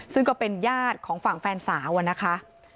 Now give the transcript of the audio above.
ซึ่งก็เป็นญาติของฝั่งแฟนสาวอะนะคะ